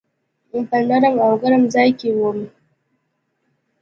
په نرم او ګرم ځای کي وم .